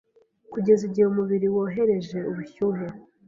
kugeza igihe umubiri wohereje ubushyuhe